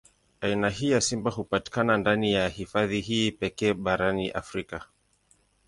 Aina hii ya simba hupatikana ndani ya hifadhi hii pekee barani Afrika.